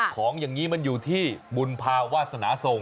ของอย่างนี้มันอยู่ที่บุญภาวาสนาทรง